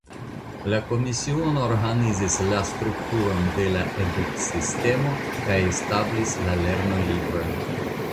La Komisiono organizis la strukturon de la eduksistemo kaj establis la lernolibrojn.